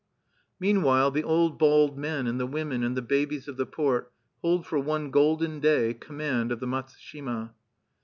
Meanwhile, the old bald men and the women and the babies of the port hold for one golden day command of the Matsushima.